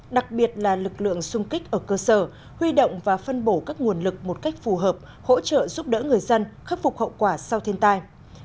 đặc biệt là lực lượng xung kích ở cơ sở huy động và phân bổ các nguồn lực một cách phù hợp hỗ trợ giúp đỡ người dân khắc phục hậu quả sau thiên tai